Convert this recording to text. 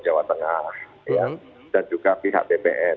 jawa tengah dan juga pihak bpn